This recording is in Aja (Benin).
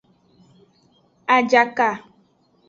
Ajaka.